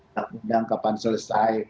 tandang kapan selesai